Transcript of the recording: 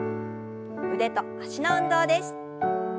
腕と脚の運動です。